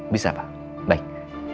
bisa pak baik